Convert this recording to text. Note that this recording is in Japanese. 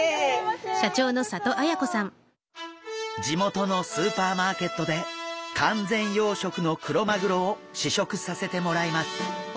地元のスーパーマーケットで完全養殖のクロマグロを試食させてもらいます。